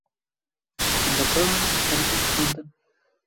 Xwendekaran helbest xwendin.